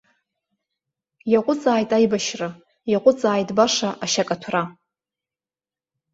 Иаҟәыҵааит аибашьра, иаҟәыҵааит баша ашьакаҭәара.